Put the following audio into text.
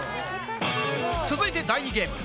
続いて第２ゲーム。